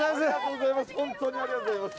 ありがとうございます。